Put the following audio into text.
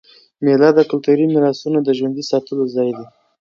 مېله د کلتوري میراثونو د ژوندي ساتلو ځای دئ.